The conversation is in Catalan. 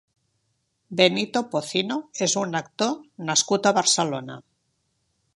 Benito Pocino és un actor nascut a Barcelona.